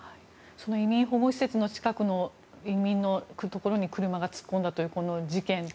移民保護施設の近くの移民のところに車が突っ込んだというこの事件。